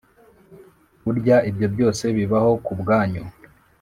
“burya ibyo byose bibaho ku bwanyu